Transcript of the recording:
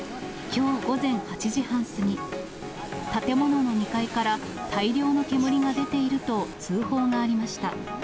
きょう午前８時半過ぎ、建物の２階から大量の煙が出ていると通報がありました。